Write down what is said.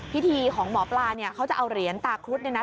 พิธีของหมอปลาเขาจะเอาเหรียญตาครุฑเนี่ยนะ